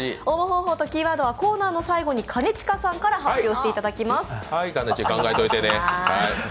応募方法とキーワードはコーナーの最後に兼近さんから発表していただきます。